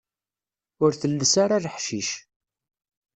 Ur telles ara leḥcic.